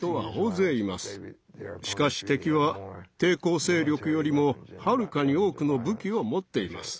しかし敵は抵抗勢力よりもはるかに多くの武器を持っています。